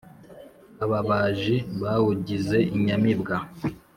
Ababaji bawugize inyamibwa